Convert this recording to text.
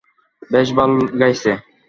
বেশ ভালো গাইছে।